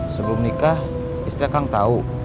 sebelum nikah istri kang tau